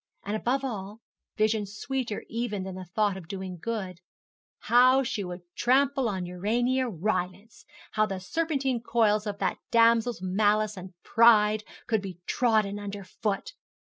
And above all, vision sweeter even than the thought of doing good, how she would trample on Urania Rylance how the serpentine coils of that damsel's malice and pride could be trodden under foot!